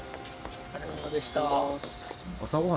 お疲れさまでした。